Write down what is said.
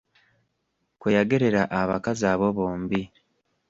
Kwe yagerera abakazi abo bombi.